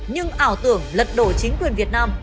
nhưng ảo tưởng lật đổ chính quyền việt nam